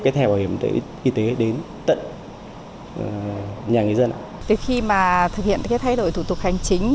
cái thẻ bảo hiểm y tế đến tận nhà người dân